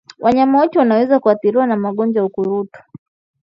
Wanyama wote wanaweza kuathiriwa na ugonjwa wa ukurutu